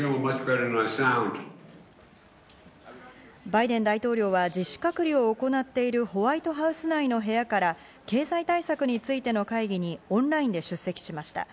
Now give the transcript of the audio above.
バイデン大統領は自主隔離を行っているホワイトハウス内の部屋から経済対策についての会議に、オンラインで出席しました。